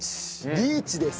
リーチです。